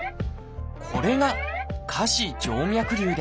これが「下肢静脈りゅう」です。